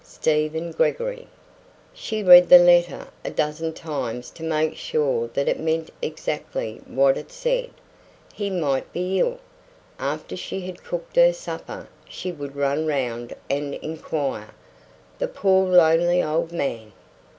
STEPHEN GREGORY. She read the letter a dozen times to make sure that it meant exactly what it said. He might be ill. After she had cooked her supper she would run round and inquire. The poor lonely old man!